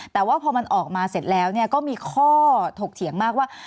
แต่ว่าพอมันออกมาเสร็จแล้วก็มีข้อถกเถียงมากว่า